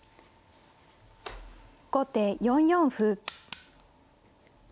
後手４四歩。